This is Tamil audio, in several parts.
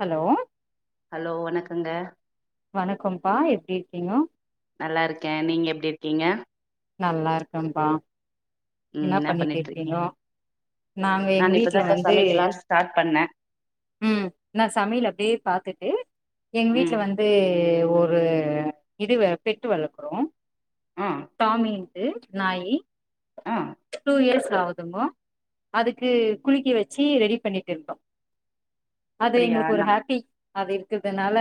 ஹலோ ஹலோ வணக்கங்க வணக்கம்ம்பா எப்டி இருக்கீங்க நல்லா இருக்கேன் நீங்க எப்டி இருக்கீங்க நல்லா இருக்கன்பா ம் என்னா என்ன பண்ணீட் பண்ணிட்டு இருக்கீங் இருக்கீங்கோ நாங்க எங்க நான் வீட்ல இப்பதாப்பா வந்து சமைக்கலான்னு ஸ்டார்ட் பண்ணே ம் நா சமையல் அப்டே பாத்துட் ஏ எங் வீட்ல ம் வந்து ஒரு இது பெட்டு [unintelligible] அப்பறோம் ஆ தாமின் இது நாய் ஆஹ் டுஇயர்ஸ் ஆகுது இப்போ அதுக்கு குளிக்க வச்சு ரெடி பண்னிட்டு இருக்கோம் அது அப்டியா எங்களுக்கு ஒரு நா ஹாப்பி அது இருக்கிறதுனால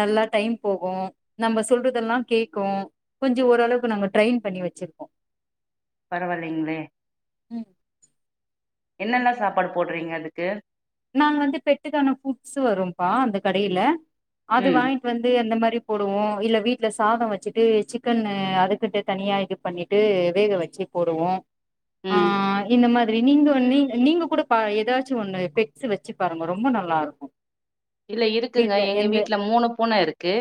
நல்லா டைம் போகும் நம்ம சொல்றதெல்லா கேக்கு கொஞ்சம் ஓரளவுக் கு நாங்க ட்ரெயின் பண்ணி வச்சிருக்கோம் பரவால்லிங்களே உம் என்னென்ன சாப்பாடு போடுறீங்க அதுக்கு நாங்க வந்து பெட்டுக்கான ஃபுட்ஸ் வரும்ப்பா அந்த கடையில அது ம் வாங்கிட்டு வந்து அந்த மாரி மாரி போடுவோ இல்ல வீட்டுல சாதம் வச்சுட்டு சிக்கன் அதுக்கிட்ட தனியா இது பண்ணிட்டு வேக வச்சு போடுவோ ம் ஆஹ் இந்த மாதி நீங்க நீ நீங்க கூட ஏதாச்சு ஒண்ணு பெ ட்ஸ் வச்சு பாருங்க ரொம்ப நல்லா இருக்கு இல்ல இருக்குங்க வீட்ல எங்க எந்த வீட்டுல மூணு பூன இருக்கு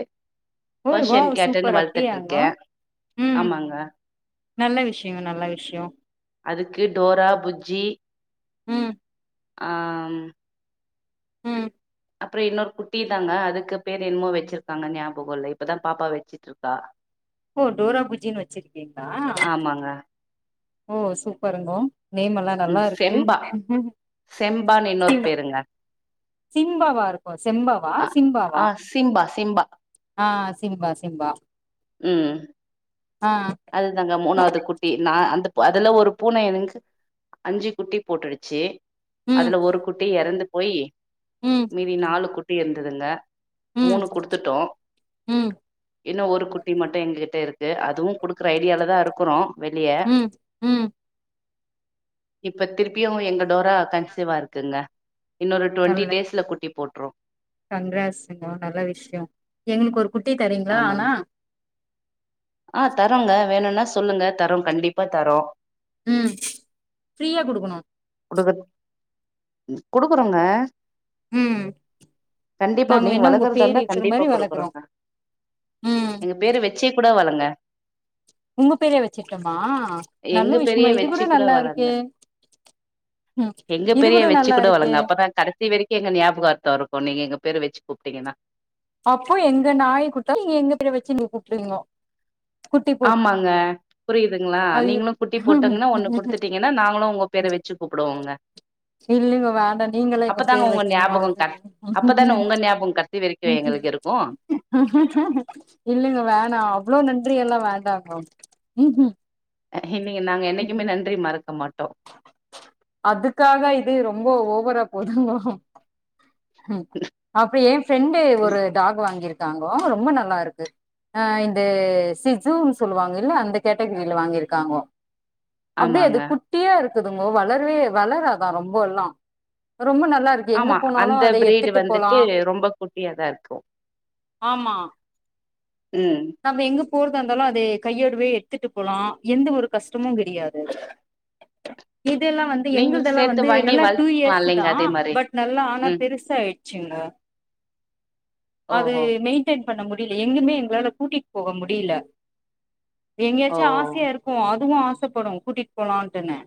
ஓ பர்ஷன் வாவ் கேட்டன்னு சூப்பர் வளத்துட்டு அப்டியாங்கோ இருக்கே ம் ஆமாங்க நல்ல விஷயங்க நல்ல விஷயம் அதுக்கு டோரா புஜ்ஜி உம் ஆஹ்ம் ம் அப்புறோ இன்னொரு குட்டி தாங்க அதுக்கு பேர் என்னமோ வச்சிருக்காங்க ஞாபகல்ல இப்பதா பாப்பா வச்சிட்டு இருக்கா ஓ டோரா புஜின் வச்சிருக்கீங்களா ஆமாங்க ஓ சூப்பருங்கோ நேம் எல்லா நல்லா ம் இருக்கு செம்பா செம்பான்னு இன்னொரு பேருங்க சிம்பவா இருக்கு செம்பவா அ சிம்பாவா ஆ சிம்பா சிம்பா ஆஹ் சிம்பா சிம்பா உம் ஆ அதுதாங்க மூணாவது குட்டி நான் அ அதுல ஒரு பூன எனக்கு அஞ்சு குட்டி போட்டுடுச்சு ம் அதுல ஒரு குட்டி எறந்து போய் ம் மீதி நாலு குட் டி இருந்ததுங்க ம் மூணு கொடுத்துட்டோ ம் இன்னு ஒரு குட் டி மட்டு எங்க கிட்ட இருக்கு அதுவு கொடுக்குற ஐடியால தா இரு க்குறோ உம் உம் இப்ப திருப்பியு எங்க டோரா கன்சீவா இருக்குங்க இன்னொரு டுவெண்டி டேஸ்ல குட்டி போட் ட்ரு கங்ராஸ்ங்க நல்ல விஷ்யொ எங்களுக்கு ஒரு குட்டி தரீங்களா ஆமாங்க ஆனா ஆ தரோங்க வேணுணா சொல்லுங்க தரோ கண்டிப்பா தரோ ம் ஃப்ரீயா குடுக்கணு குடுக்க குடுக்குறோங்க ம் கண்டிப்பா நாங்க நீங்க வேணா உங்க பேர் வளக்குறதாந்தா இருக்கிற கண்டிப்பா மாரி வளக்குறோ குடுக்குறோங்க ம் எங்க பேரு வெச்சு கூட வளர் ல்ல உங்க பேரயே வச்சிர்ட்டுமா எங்க நல்ல பெரிய விஷ்யமா இது வச்சு கூட நல்லா வளங்க இருக்கே ம் எங்க இது பேரையே வெச்சு நல்லா கூட இருக்கே வளங்க அப்பதா கடைசி வரைக்கு எங்க ஞாபகார்த்த ருக்கு நீங்க எங்க பேரு வெச்சு கூப்ட்டீங்கன்னா அப்போ எங்க நாய் கூடுத்தா நீ எங்க பேர வெச்சு கூப்ட்டுருவீங்கோ ஆமாங்க புரியுதுங்களா ஐயோ நீங்களு குட்டி போட்டோங்கன்னா ஒண்ணு குடுத்துட்டீங்கன்னா நாங்களு உங்க பேர வெச்சு கூப்பிடுவோங்க இல்லீங்க வேண்டா நீங்களே எங்க பேர உங்க வெக்கிணுனு ஞாபகோ கட் அப்பதான அவசியமில்ல உங்க ஞாபகோ கடைசி வரைக்கு எங்களுக்கு இருக்கு இல்லேங்க வேண்டா அவ்ளோ நன்றி எல் இல்ல வேண்டாங்க இல்லீங்க நாங்க என்னைக்குமே நன்றி மறக்க மாட் அதுக்காக இது ரொம்ப ஒவ ப்ரா போதுங்கோ ம் அப்புற எ ஃப்ரெண்டு ஒரு டாக் வாங்கிருக் க்காங்கோ ரொம்ப நல்லா இருக்கு ஆ இந்த சிட்சுனு சொல்லுவாங்க இல்ல அந்த கேட்டகிரில வாங்கிருக்காங்கோ ஆமாங்க ட்டியா இருக்குதுங்கோ வளரவே வளராதா ரொம்போ எல்லா ரொம்ப நல்லா இருக்கு எங்க ஆமா போனாலு அந்த அத பிரீடு எடுத்துட்டு போலா வந்துட்டு ரொம்ப குட்டியாதா இருக்கு ஆமா ம் நம்ம எங்க போறதா இருந்தாலு அதே கையோடுவே எடுத்துட்டு போலா எந்த ஒரு கஷ்டமு கெடையாது இதெல்லா வந்து நீங்களு எங்ளுதெல்லா சேத்து வந்து வாங்கி நல்லா டூ வளத்துக்கலா இயர்ஸ் தா இல்லைங்க அதே மாரி பட் நல்லா ஆனா ம் பெருசாயிடுச்சுங்க அது ஓஹோ மெயின்டென் பண்ண முடியில எங்குமே எங்களால கூட்டிட் போக முடியல ஓ எங்கயாச்சு ஓ ஆசையா இருக்கு அத் அதுவு ஆசப்படு கூட்டிட் போலான்டுனு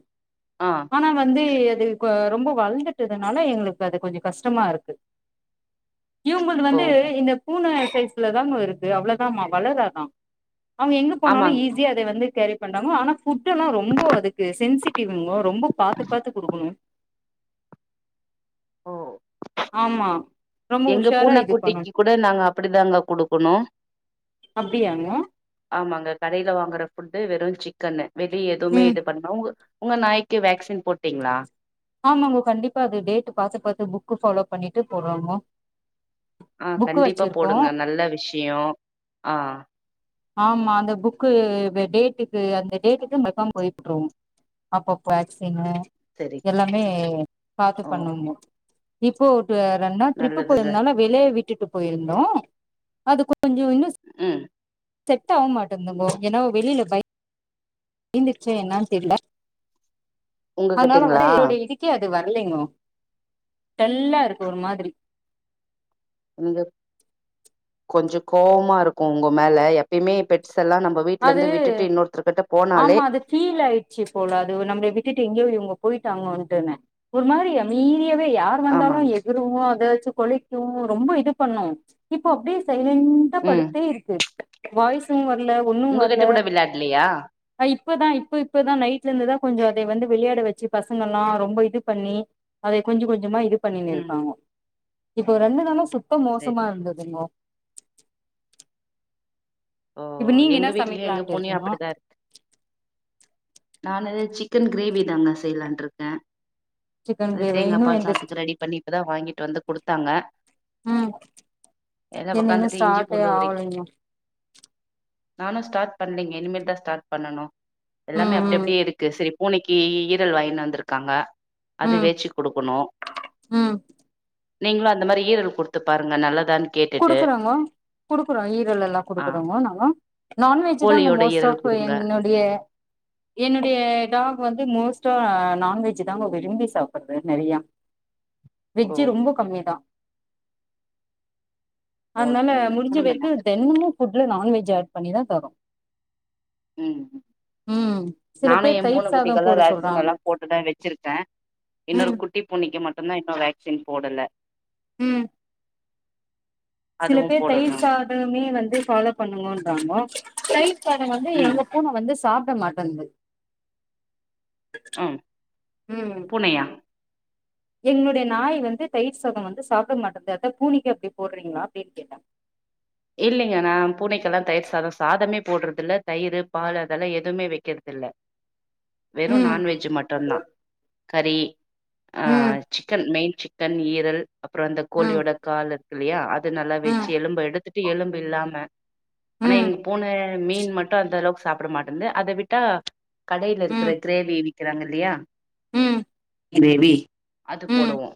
ஆ ஆனா வந்து இது கொ ரொம்ப வளந்துட்டதுனால எங்களுக்கு அது கொஞ்சொ கஷ்டமா இருக்கு இவுங்ளுது வந்து ஓஹோ இந்த பூன சைஸ்லதாங்க இருக்கு அவ்ள ஆமா வளராதா அவங்க எங்க போனாலு ஆமாங்க ஈஸியா இத வந்துட் கேரி பண்றாங்க ஆனா ஃபுட் எல்லாம் ரொம்போ அதுக்கு சென்சிட்டிவ்ங்கோ ரொம்ப பாத்து பாத்து குடுக்கணு ஓ ஆமா ரொம்ப எங்க உஷாரா பூனை இது பண்ணணு குட்டிக்கு கூட நாங்க அப்டிதாங்க குடுக்கணு அப்டியாங்க ஆமாங்க கடையில வாங்குற புஃட்டு வெறு சிக்கனூ வெதி எதுமே ம் இது பண்ணோ உங்க நாய்க்கு வேக்சின் போட்டீங்களா ஆமாங்க கண்டிப்பா அது டேட் பாத்து பாத்து புக்கு ஃபாலோ பண்ணிட்டு போடுறோன்க ஆஹ் கண்டிப்பா போடுங்க நல்ல விஷயம் ஆஹ் ஆமா அந்த புக்கு டேட்டுக்கு அந்த டேட்டுக்கு மெசாம மெய்ட்டுருவோ அப்பப்ப வேக்சினு சரி எல்லாமே பாத்து ஓ பண்ணுங்கோ ரிப்போட் வேறன்னா ட்ரிப்பு நல்லதுங்க போயிருந்தாலு வெளிய விட் டு ட்ரிப் போயிருந்தோ அது கொஞ் கொஞ்சோ இன்னுஸ் ம் செட் ஆக மாட்டிங்குதுங்கோ ஏனா வெளியில பை ந்துச்சு என்னானு தெரில அதனால உங்ககிட்டீங்களா வந்து [inaudible] வல்லிங்கோ டல்லா இருக்கு ஒரு மாதிரி உங்கக் கொஞ்சோ கோவமா இருக்கு உங்க மேல எப்பயுமே பெட்ஸ் எல்லா நம்ம வீட்ல அது இருந்து விட்டுட்டு இன்னொருத்தர்கிட்ட போனாலே ஆமா அது ஃபீல் ஆயிடுச்சு போல அது நம்மள விட்டுட்டு எங்கயோப் போயிட்டாங்களோன்ட்டுனு ஒரு மாதிரி யமீறி யாவே யார் வந்தாலு ஆமாங்க எகுருமோ அது சோ கொல்லைக்கு போவு ரொம்ப இது பண்ணு இப்போ அப்டியே ஸை லன்டா ம் படுத்தே இருக்கு வாய்ஸும் வர்ல ஒன்னு வர்ல உங்ககிட்ட கூட விளையாடலையா அ இப்பதா இப்ப இப்பதா நைட்ல இருந்துதா கொஞ்சோ தே வந்து விளையாட வச்சு பசங்களா ரொம்ப இது பண்ணி அதை கொஞ்ச கொஞ்சமா இது பண்ணிங் ம் இருக்காங்கோ இப்போ ரெண்டு நாள சுத் த மோசமா சரி இருந்ததுங்கோ ஓ இப்ப நீங்க எங்க என்ன வீட்லயு எங்க சமைக்கலான்ட்டு பூனையும் இருக்கீங்கோ அப்டிதா இருக் நானு சிக்கன் கிரேவி தாங்க செய்யலான்னு இருக்கே சிக்கன் அது கிரேவி தேங்கா இன்னு பால் எந்த சாததுக்கு ரெடி பண்ணி இப்பதா வாங்கி ட்டு வந்து குடுத்தாங்க உம் எல்லா என்னது ஒக்காந்துட்டு இஞ்சி ஸ்டார்டே பூண்டு உரிக் ஆகலைங்க நானு ஸ்டார்ட் பண்ணலேங்க இனிமேல் தா ஸ்டார்ட் பண்ணனு எல்லாமே ம் அப்டி ம் அப்டியே இருக்கு செரி பூனைக்கு ஈரல் வாங்கிட்டு வந்துருக்காங்க அது ம் வெச்சிக் குடுக்கணு ம் நீங்களும் அந்த மாரி ஈரல் குடுத்து பாருங்க நல்லதானு குடுக்குறாங்க குடுக்குறோ ஈரல்லல் லா ஆ குடுக்குறோங்கோ நாங்கோ நான்வெஜ் தாங்க கோழியோட மோஸ்ட் ஈரல் ஆப் குடுங்க என்னுடைய என்னுடைய டாக் வந்து மோஸ்ட் டா நான்வெஜ் தாங்க விரும்பி சாப்பிடுது நெறையா ஓ வெஜ் ரொம்ப கம்மிதா அதனால ஓகேங்க முடிஞ்ச குடுங்க வரைக்கு நல்லது தெனமு ஃபுட்ல நான்வெஜ் ஆட் பண்ணிதா தரோ உம் ம் சில நானும் பேர் என் மூணு தயிர் சாதோ குட்டிகள்ல்லா போட வேக்சின் சொல்றாங்க எல்லா போட்டுட்டதா வச்சிருக்கே இன்னொரு ம் குட்டி பூனைக்கு மட்டுதா இன்னொரு வேக்சின் போடல உம் சில அதுவு பேர் தயிர் போடணு சாதமே வந்து ஃபாலோ பண்ணுங்கோன்றாங்கோ தயிர் சாதம் வந்து ம் எங்க பூன வந்து சாப் ட மாட்டேன்து ம் பூனையா என்னுடைய நாய் வந்து தயிர் சாதம் வந்து சாப்பிட மாட்டேந்து அத்தா பூனைக்கு அப்டி போடுறீங்களா அப்டின்னு கேட்டே இல்லைங்க நான் பூனைக்கெல்லாம் தயிர் சாதம் சாதமே போடுறதுல்ல தயிரு பாலு அதெல்லா எதுவுமே வைக்கறதில்ல வெறும் ம் நான்வெஜ் மட்டு தா கறி ம் ஆஹ் சிக்கன் மெய்ன் சிக்கன் ஈரல் அப்றோ அந்த ம் கோழியோட காலு இருக்கு இல்லயா அ து நல்லா வச்சு ம் எலும்ப எடுத்துட் டு எலும்பு இல்லாம ஆனா ம் எங்க பூன மீன் மட்டு அந்த அளவுக் சாப்ட மாட்டேன்து அத விட்டா கடையில இருக்குற ம் கிரேவி விக்கிறாங்க இல்லயா ம் கிரேவி அது ம் போடுவோ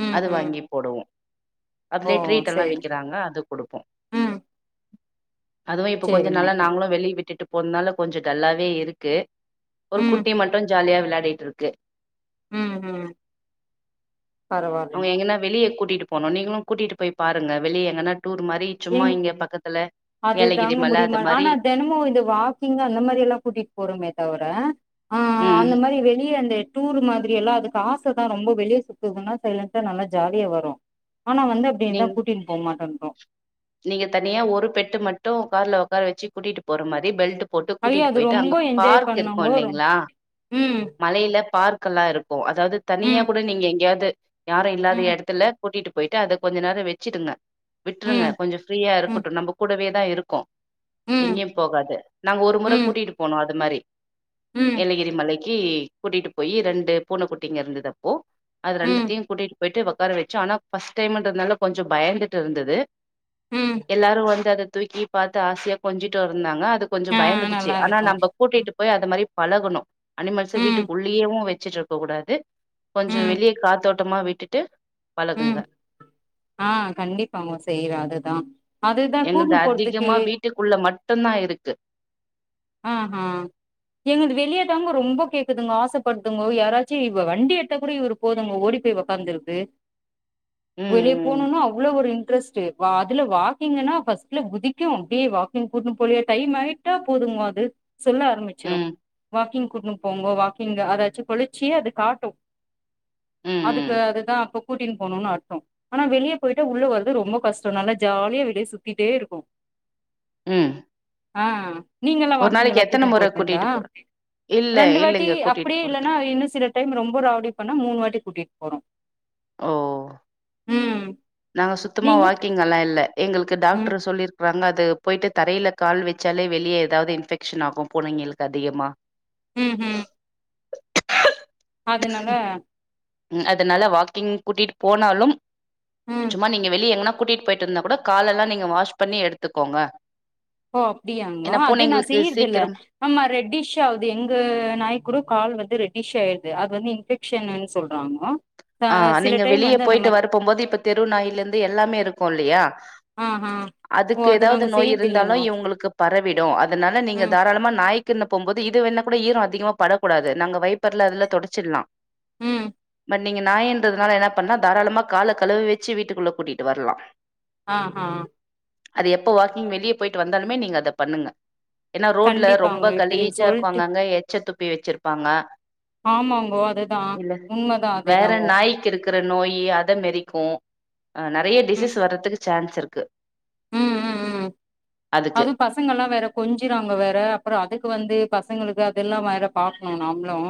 ம் அது ம் வாங்கி போடுவோ ஓ அதுலே ட்ரீட் எல்லா சேரி விக்கிறாங்க அது குடுப்போம் ம் அதுவும் இப்ப கொஞ்ச சேரிங்க நாளா நாங்களும் வெளிய விட்டுட்டு ஒரு நாளா கொஞ்சோ டல்லாவே இருக்கு ஒரு ம் குட்டி மட்டும் ஜாலியா விளயாடிட்டு இருக்கு ம் ம் பரவால்ங்க போனோ நீங்களும் கூட்டிட்டு போய் பாருங்க வெளிய எங்கனா ஏங்க அது ஏலகிரி தாங்க மல அது முடியுமா மாரி ஆனா தெனமு இந்த வாக்கிங் அந்த மாரி லா கூட்டிட் போறோமே தவர ஆ ம் அந்த மாரி வெளியே வந்து டூரு மாதிரியெல்லா அதுக்கு ஆச தா ரொம்ப வெளியே சுத்துதுன்னா சைலண்டா நல்லா ஜாலியா வரு ஆனா வந்து அப்டியேதா நீங் கூட்டிட் போமாட்டாங்க நீங்க தனியா ஒரு பெட்டு மட்டு கார்ல உக்கார வச்சு கூட்டிட்டு போற மாரி பெல்ட் போட்டு ஐயோ கூட்டிட்டு அது போயிட்டு அங்க ரொம்ப என்ஜாய் பார்க் இருக்கும் பண்ணுங்கோ இல்லைங்ளா ம், மலைல பார்க் கல்லா இருக் அதாவது தனியா ம், கூட நீங்க எங்யாது யாரு இல்லாத ம், எடத்துல கூட்டிட்டு போயிட்டு அத கொஞ்ச நேரோ வச்சிடுங்க விட்ருங்க ம், கொஞ்சோ ஃப்ரீயா ம், இருக்கட்டு நம்ப கூடவே தா இருக் கு ம், எங்யும் போகாது நாங்க ஒரு முற ம், கூட்டிட்டு போனோ அது மாரி ம், ஏலேகிரி மலைக் கி கூட்டிட்டு போயி ரெண்டு பூன குட்டிங்க இருந்ததப்போ அது ம், ரெண்டுத்தியும் கூட்டிட்டு போயிட்டு வ உக்கார வச்சோம் ஆனா ஃபஸ்ட் டைம்ன்றதுனால கொஞ்சோ பயந்துட்டு இருந்தது ம். எல்லாரும் வந்து அத தூக்கி பாத்து ஆசையா கொஞ்சிட்டு இருந்தாங்க அத் து கொஞ்சம் ஆ பயந்துடுச்சு ஆனா நல்லாருக்கும். நம்ப கூட்டிட்டு போய் அது மாரி பழகணும் அனிமல்சு ம், வீட்டுக்குள்ளயேவும் வெச்சுட்ருக்க கூடாது கொஞ்சம் ம், வெளிய காத்தோட் ட்டமா விட்டுட்டு ம் பழகுங்க ஆ கண்டிப்பாங்க செய்யிற அது தா என்னது அதிகமா வீட்டுக்குள்ள மட்டுந்தா இருக்கு ஆ ஆ எங்கள்து வெளிய தாங்க ரொம்ப கேக்குதுங்க ஆசப்பட்துங்கோ யாராச்சி இவ வண்டி எட்ட கூட இவரு போதுங்கோ ஓடி போயி ஒக்காந்துருது வெளிய் ம் போணுன்னா அவ்ளோ ஒரி ட்ரஸ்டு பா அதுல வாக்கிங்குனா ஃபஸ்ட்ல குதிக்கு அப்டியே வாக்கிங் கூட்னு போறியா டைம் ஆயிட்டா போதுங்க அது சொல்ல ஆரமிச்சிரு ம் வாக்கிங் கூட்னு போங்க வாக்கிங் அராச்சு கொளிச்சி அது காட்டு ம் அதுக்கு ம் அதுதா அப்போ கூட்டின் போணுன்னு அர்த்தோ ஆனா வெளிய போயிட்டா உள்ள வரது ரொம்போ கஸ்ட்டோ நல்ல ஜாலியா வெளிய சுத்திட்டே இருக்கு ம் அ அ நீங்கலா ஒரு கீங்களா நாளைக்கு கூட்டி எத்தன முற போறதுன்டா கூட்டிட்டு போற இல்ல ரெண்டு வாட்டி இல்லங்க கூட்டிட்டு அப்டியே போறது இல்லனா இன்னு சில டைம் ரொம்ப ராவ்டி பண்ணா மூணு வாட்டி கூட்டிட் போறோ ஓ ம் நாங்க சுத்தமா நீங்க வாக்கிங் அல்லா இல்ல எங்ளுக்கு ம் டாக்ட்ரு சொல்லிரு வாங்காது போயிட்டு தரையில கால் வச்சாலே வெளியே ஏதாவ்து இன்ஃபெக்ஷன் ஆகு பூனைங்களுக்கு அதிகமா ம் ஹு அதுனால ம் அதுனால வாக்கிங் கூட்டிட்டு போனாலும் ம் சும்மா நீங்க வெளிய எங்கனாப் கூட்டிட்டு போயிட்டு இருந்தா கூட காலெல்லா நீங்க வாஷ் பண்ணி எடுத்துக்கோங்க ஓ அப்புடியாங்கோ ஏன்னா அது நா பூனைங்களுக்கு செய்யிறதில்ல சீக்கிரம் ஆமா ரெட்டிஷ் ஆவுது எங்க நாய் கூட கால் வருது ரெட்டிஷாயிரு து அது வந்து இன்பெக்ஷன்னு சொல்றாங்கோ ஆ சில நீங்க டைம் வெளியே வந்து அந்த போயிட்டு மாரி வரப்போம் போது இப்ப தெரு நாய்லெருந்து எல்லாமே இருக்கும் இல்லையா ஆ ஆ ஓ அதுக்கு அது ஏதாவது நாங்க நோய் செய்யறது இருந்தாலும் இல்லைங்கோ இவங்களுக்கு பரவிடும் அதனால நீங்க ம் தாராளமா நாயிக் தின்ன போம்போது இது வேணா கூட ஈரம் அதிகமா படக்கூடாது நாங்க வைப்பர்ல அதுல தொடச்சிட்லா ம் நீங்க நாய்ன்றதுனால என்ன பண்லா தாராளமா கால களுவி வெச்சு வீட்டுக்குள்ள கூட்டிட்டு வர்லா ஆ ஹா அது எப்ப வாக்கிங் வெளிய போயிட்டு வந்தாலுமே நீங்க அத பண்ணுங்க ஏன்னா ரோட்ல கண்டிப்பாங்க ரொம்ப இப்ப நீங்க கலீச்சா இருக்கு சொல்ட்டு அங்க அங்க எச்ச து ப்பி வெச்சிர்ப்பாங்க ஆமாங்கோ அதுதான் உண்ம வேற நாய்க்கு இருக் க்கற நோயி அத மெறிக்கு ஆஹ் நறைய ம் டிசிஸ் வர்றதுக்கு சான்ஸ் இருக்கு ம் ம் ம் அதுக்கு அது பசங்க ல்லா வேற கொஞ்சிராங்க வேற அப்றொ அதுக்கு வந்து பசங்களுக்கு அதெல்லா வேற பாக்ணு நாம்ளும்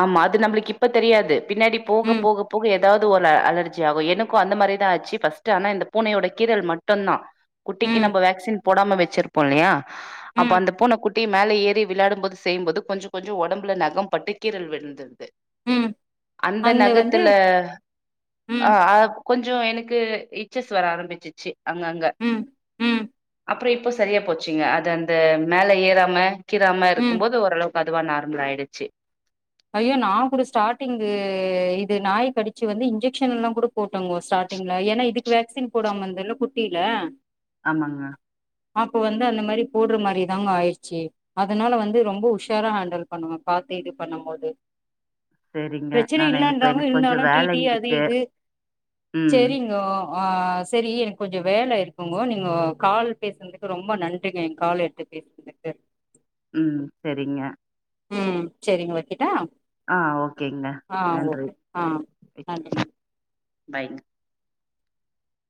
ஆமா அது நம்புளுக்கு இப்ப தெரியாது பின்னாடி போக ம் போக போக ஏதாவது ஒரு அலர்ஜி ஆகு எனக்கு அந்த மாரிதான் ஆச்சு ஃபஸ்ட்டு ஆனா இந்த பூனையோட கீரல் மட்டுந்தா குட்டிக்கு ம் நம்ப வேக்சின் போடாம வெச்சிருப்போ ல்லையா அப்ப ம் அந்த பூன குட்டி மேல ஏறி விளாடும் போது செய்யும்போது கொஞ்சொ கொஞ்சொ ஒடம்புல நெகம் பட்டு கீரள் விழ்ந்திருது ம் அந்த நெகத்துல ம் ஆஹ் கொஞ்சொ எனக்கு இட்ச்சஸ் வர ஆரம்பிச்சிச்சு அங்க அங்க ம் ம் ப்புறோ இப்போ சரியா போச்சுங்க அது அந்த மேல ஏறாம கீராம ம் இருக்கும் போது ஓரளவு பதுவா நார்மல் ஆயிடுச்சு ஐயோ நான் கூட ஸ்டாட்டிங்கு இது நாய் கடிச்சு வந்து இன்ஜெக்ஷன் எல்லா கூட போட்டங்கோ ஸ்டாட்டிங்ல ஏன்னா இதுக்கு வேக்சின் போடாமந்தல்ல குட்டில ஆமாங்க அப்ப வந்து அந்த மாரி போட்ற மாரி தாங்க ஆயிடுச்சி அதனால வந்து ரொம்ப உஷாரா ஹாண்ட்ல் பண்ணுவன் பாத்து இது பண்ணும் போது எ சரிங்க. ப்ரச்சன நான் இப்ப இல்லன்றாங்கோ எனக்கு இருந்தாலு கொஞ்சம் டீ வேலை டி அது இருக்கு. இது ம் செரிங்கோ ஆஹ் செரி எனக் கொஞ்சொ வேல இருக்குங்கோ நீங்கோ கால் பேசுனதுக்கு ரொம்ப நன்றிங்க என் கால் எட்த்து பேசுனதுக்கு ம் செரிங்க ம் செரிங்க வெக்கட்டா ஆஹ் ஓகேங்க நன்றி ஆ நன்றிங்க பாய்